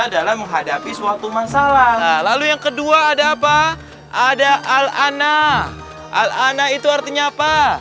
adalah menghadapi suatu masalah lalu yang kedua ada apa ada al annal al an'na itu artinya apa